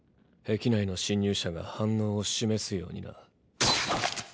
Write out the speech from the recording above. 壁内の侵入者が反応を示すようにな。